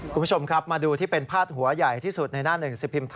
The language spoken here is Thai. คุณผู้ชมครับมาดูที่เป็นพาดหัวใหญ่ที่สุดในหน้าหนึ่งสิบพิมพ์